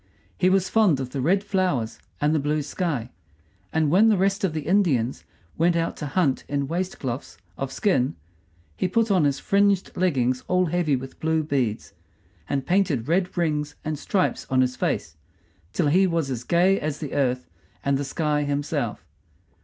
He was fond of the red flowers and the blue sky; and when the rest of the Indians went out to hunt in waistcloths of skin he put on his fringed leggings all heavy with blue beads, and painted red rings and stripes on his face, till he was as gay as the earth and the sky himself.